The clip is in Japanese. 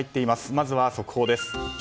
まず速報です。